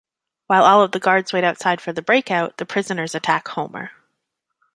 While all of the guards wait outside for the breakout, the prisoners attack Homer.